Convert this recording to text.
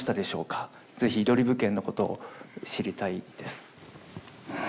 ぜひイドリブ県のことを知りたいです。